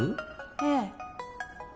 ええ。